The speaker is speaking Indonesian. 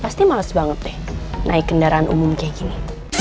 pasti males banget deh naik kendaraan umum kayak gini